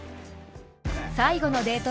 ［最後のデート